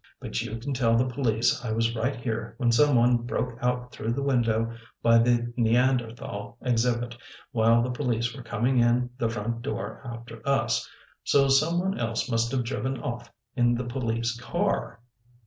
But you can tell the police I was right here when someone broke out through the window by the Neanderthal exhibit while the police were coming in the front door after us. So someone else must have driven off in the police car."